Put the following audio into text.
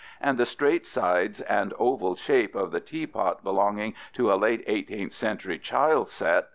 14) and the straight sides and oval shape of the teapot belonging to a late 18th century child's set (fig.